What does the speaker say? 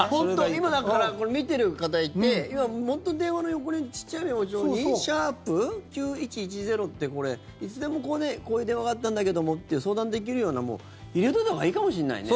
今、だから見てる方いて電話の横に、小さいメモ帳に「＃９１１０」っていつでも、こういう電話があったんだけどもって相談できるようなもの入れておいたほうがいいかもしれないね。